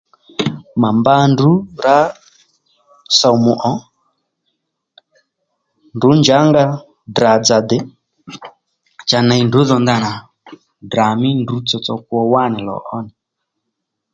Mà mba ndrǔ sòmù ò ndrǔ njǎnga Ddrà-dzà dè cha ney ndrǔ dho ndanà Ddrà mí ndrǔ tsotso kwo wánì lò ó